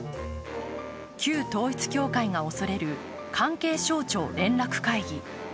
旧統一教会が恐れる関係省庁連絡会議。